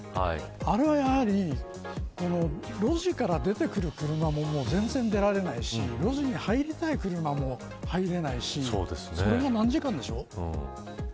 あれは、路地から出てくる車も全然出られないし路地に入りたい車も入れないしそれが何時間でしょう。